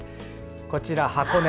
こちら、箱根。